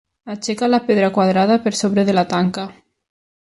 Aixeca la pedra quadrada per sobre de la tanca.